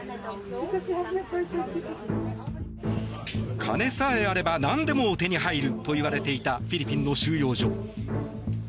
金さえあればなんでも手に入るといわれていたフィリピンの収容所。